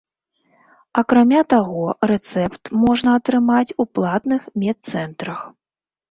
Акрамя таго, рэцэпт можна атрымаць у платных медцэнтрах.